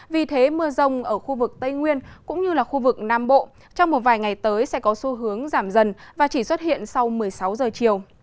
vì thế mưa rông ở khu vực tây nguyên cũng như là khu vực nam bộ trong một vài ngày tới sẽ có xu hướng giảm dần và chỉ xuất hiện sau một mươi sáu giờ chiều